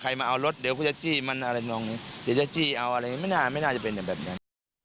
ใครมาเอารถเดี๋ยวผมจะจี้มันเดี๋ยวจะจี้เอารถอะไรแบบนี้ไม่น่าจะเป็นแบบนั้น